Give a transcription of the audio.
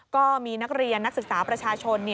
ก็มีนักเรียนนักศึกษาประชาชน